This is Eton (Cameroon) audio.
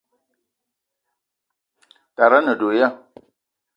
Tara a ne do ya?